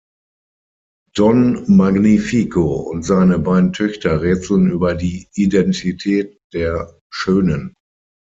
Don Magnifico und seine beiden Töchter rätseln über die Identität der Schönen.